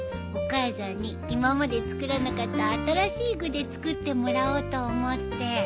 お母さんに今まで作らなかった新しい具で作ってもらおうと思って。